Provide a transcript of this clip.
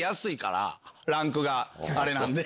ランクがあれなんで。